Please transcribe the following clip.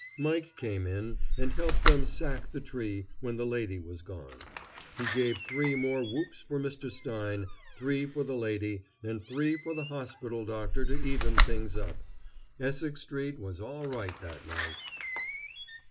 Mike came in and helped them "sack" the tree when the lady was gone. He gave three more whoops for Mr. Stein, three for the lady, and three for the hospital doctor to even things up. Essex street was all right that night.